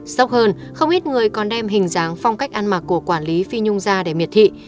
sốc hơn không ít người còn đem hình dáng phong cách ăn mặc của quản lý phi nhung gia để miệt thị